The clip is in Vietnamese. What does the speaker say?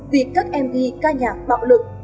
vì các mv ca nhạc bạo lực